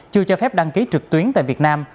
chưa cho phép đăng ký trực tuyến tại việt nam